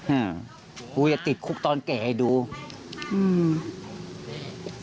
อืมกูอย่าติดคุกตอนแก่ให้ดูอืม